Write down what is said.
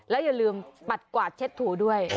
อย่าลืมปัดกวาดเช็ดถูด้วย